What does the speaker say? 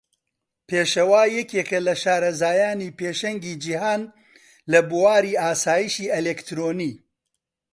پێشەوا یەکێکە لە شارەزایانی پێشەنگی جیهان لە بواری ئاسایشی ئەلیکترۆنی.